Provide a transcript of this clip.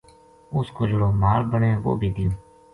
اس کو جہیڑو مال بنے وہ بھی دیوں